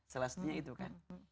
salah satunya itu kan